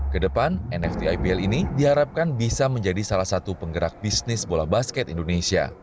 kedepan nft ibl ini diharapkan bisa menjadi salah satu penggerak bisnis bola basket indonesia